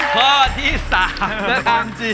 ข้อที่๓นะครับ